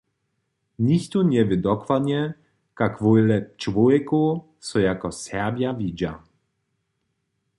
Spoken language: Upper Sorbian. Nichtón njewě dokładnje, kak wjele čłowjekow so jako Serbja widźa.